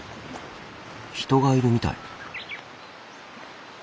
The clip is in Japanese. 人がいるみたい。